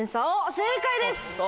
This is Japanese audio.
正解です！